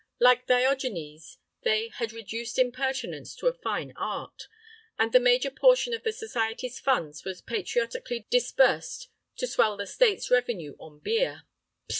Like Diogenes, they "had reduced impertinence to a fine art"; and the major portion of the society's funds was patriotically disbursed to swell the state's revenue on beer.